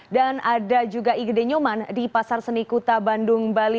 dan ada juga ige denyoman di pasar seni kuta bandung bali